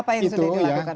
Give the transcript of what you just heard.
apa yang sudah dilakukan